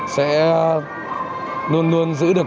sẽ luôn luôn giữ được